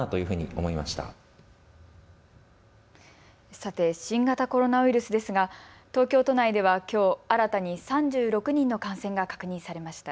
さて新型コロナウイルスですが東京都内では、きょう新たに３６人の感染が確認されました。